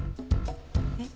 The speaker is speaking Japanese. えっ？